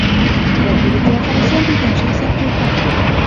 وګړي د افغانستان د انرژۍ سکتور برخه ده.